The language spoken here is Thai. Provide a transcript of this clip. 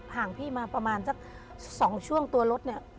ห่างพี่มาประมาณสักสองช่วงตัวรถ